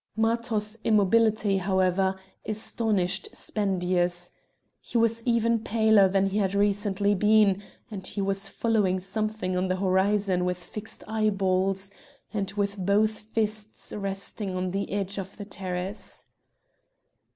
Matho's immobility, however, astonished Spendius; he was even paler than he had recently been, and he was following something on the horizon with fixed eyeballs, and with both fists resting on the edge of the terrace.